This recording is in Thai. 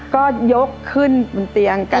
ก็ยกขึ้นบนเตียง